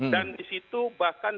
dan di situ bahkan